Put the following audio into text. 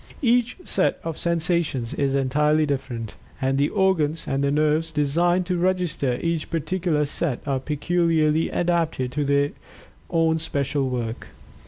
Each set of sensations is entirely different, and the organs and nerves designed to register each particular set are peculiarly adapted to their own special work.